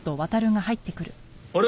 あれ？